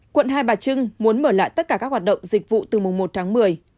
quận hai bà trưng muốn mở lại tất cả các hoạt động dịch vụ từ mùng một tháng một mươi